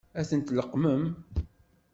Ad ten-tleqqmem?